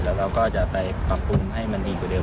แล้วเราก็จะไปปรับปรุงให้มันดีกว่าเดิ